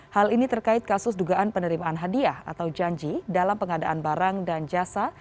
hal ini terkait kasus dugaan penerimaan hadiah atau janji dalam pengadaan barang dan jasa